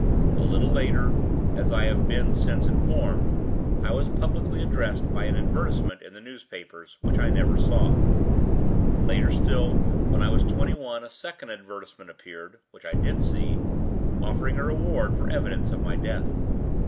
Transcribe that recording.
A little later (as I have been since informed) I was publicly addressed by an advertisement in the newspapers, which I never saw. Later still, when I was twenty one, a second advertisement appeared (which I did see) offering a reward for evidence of my death.